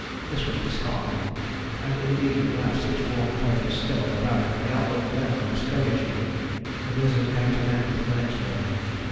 This was disheartening, and indeed with our six worn ponies still on the Barrier the outlook for them was discouraging. The blizzard came to an end the next morning.